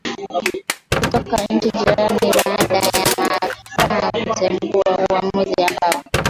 kutoka nchi jirani baada ya maafisa kutengua uamuzi ambao